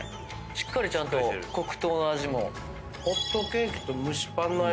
しっかりちゃんと黒糖の味も。